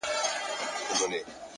هره ناکامي د نوي پیل پیغام دی!.